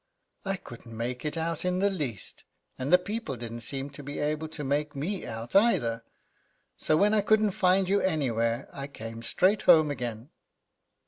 I couldn't make it out in the least, and the people didn't seem to be able to make me out either. So when I couldn't find you anywhere I came straight home again."